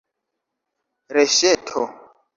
Reŝeto!